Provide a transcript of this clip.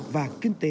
và kinh doanh